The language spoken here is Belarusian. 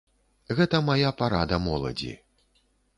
Гэта мая парада моладзі.